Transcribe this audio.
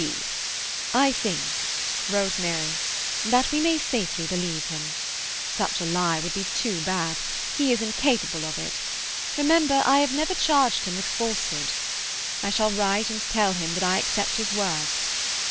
B." "I think," wrote Mary, "that we may safely believe him. Such a lie would be too bad; he is incapable of it. Remember, I have never charged him with falsehood. I shall write and tell him that I accept his word.